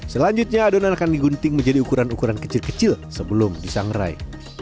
selanjutnya adonan akan digunting menjadi ukuran ukuran kecil kecil sebelum disangrai